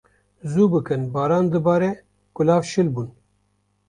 Zû bikin baran dibare, kulav şil bûn.